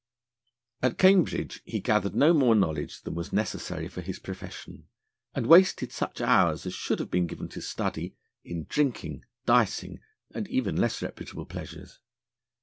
At Cambridge he gathered no more knowledge than was necessary for his profession, and wasted such hours as should have been given to study in drinking, dicing, and even less reputable pleasures.